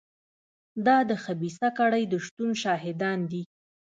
دا د خبیثه کړۍ د شتون شاهدان دي.